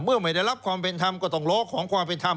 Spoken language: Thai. ไม่ได้รับความเป็นธรรมก็ต้องร้องขอความเป็นธรรม